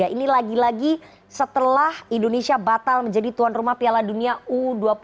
ini lagi lagi setelah indonesia batal menjadi tuan rumah piala dunia u dua puluh